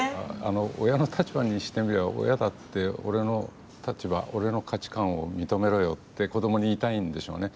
親の立場にしてみれば親だって俺の立場、俺の価値観を認めろよって子どもに言いたいんでしょうね。